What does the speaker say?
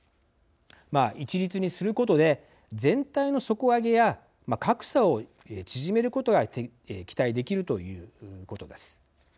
一律にすることで全体の底上げや格差を縮めることが期待できるということです。